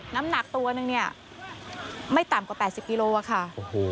น้ำหนักตัวหนึ่งไม่ต่ำกว่า๘๐กิโลกรัมค่ะ